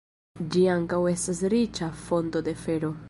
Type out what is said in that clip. Ĝi ankaŭ estas riĉa fonto de fero.